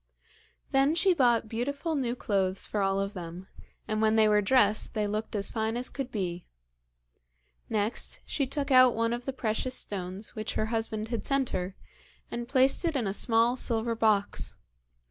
Then she bought beautiful new clothes for all of them, and when they were dressed they looked as fine as could be. Next, she took out one of the precious stones which her husband had sent her, and placed it in a small silver box.